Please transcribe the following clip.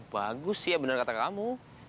bagus sih ya bener kata kamu